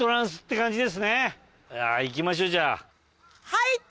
行きましょうじゃあ。